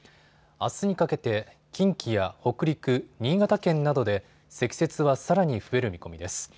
あすにかけて近畿や北陸、新潟県などで積雪はさらに増える見込みです。